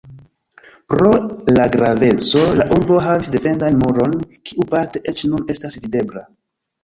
Pro la graveco la urbo havis defendan muron, kiu parte eĉ nun estas videbla.